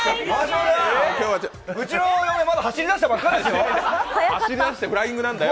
うちの嫁、まだ走り出したばかりですよ。